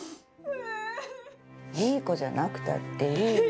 いい子じゃなくたっていいの。